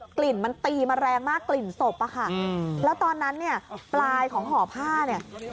กลิ่นมันตีมาแรงมากกลิ่นศพอะค่ะแล้วตอนนั้นเนี่ยปลายของห่อผ้าเนี่ย